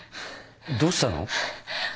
どうしたの？